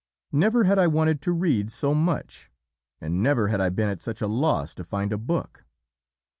never had I wanted to read so much and never had I been at such a loss to find a book.